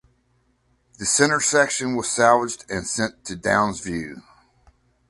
The centre section was salvaged and sent to Downsview.